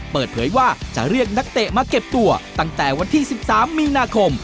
เปิดเผยว่าจะเรียกนักเตะมาเก็บตัวตั้งแต่วันที่๑๓มีนาคม